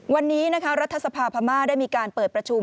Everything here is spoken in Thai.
วันนี้นะคะรัฐสภาพม่าได้มีการเปิดประชุม